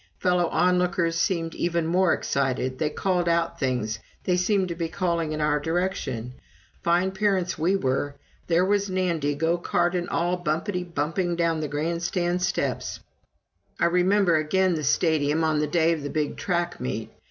Fellow onlookers seemed even more excited they called out things they seemed to be calling in our direction. Fine parents we were there was Nandy, go cart and all, bumpety bumping down the grandstand steps. I remember again the Stadium on the day of the big track meet.